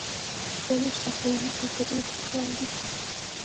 دوه دیرش ښوونیز مرکزونه په کې فعال دي.